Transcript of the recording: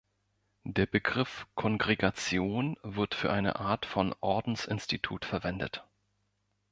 Der Begriff „Kongregation“ wird für eine Art von Ordensinstitut verwendet.